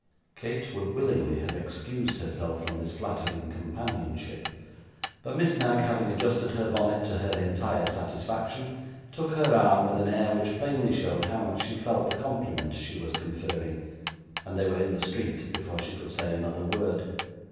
Kate would willingly have excused herself from this flattering companionship; but Miss Knag having adjusted her bonnet to her entire satisfaction, took her arm with an air which plainly showed how much she felt the compliment she was conferring, and they were in the street before she could say another word.